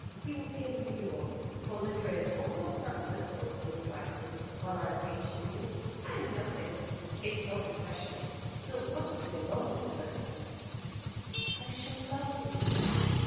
He will be in New York, or Madrid, or Constantinople, most likely, while I am painting you. I am nothing if not an impressionist, so it mustn't be a long business." "I shall love sitting to you.